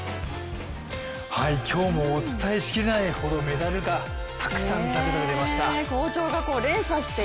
今日もお伝えしきれないほどメダルがたくさんざくざく出ました。